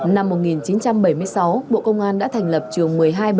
năm một nghìn chín trăm bảy mươi sáu bộ công an đã thành lập trường một nghìn hai trăm bảy mươi năm